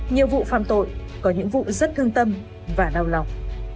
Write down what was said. nhiều vụ phạm tội có những vụ rất thương tâm và đau lòng